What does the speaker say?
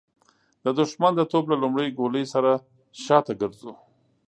د د ښمن د توپ له لومړۍ ګولۍ سره شاته ګرځو.